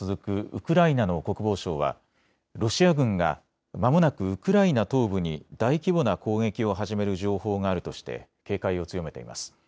ウクライナの国防省はロシア軍がまもなくウクライナ東部に大規模な攻撃を始める情報があるとして警戒を強めています。